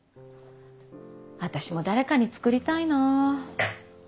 私も誰かに作りたいな。